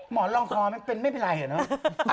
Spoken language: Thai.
หมอนรองคอมันเป็นไม่เป็นไรอะเนาะ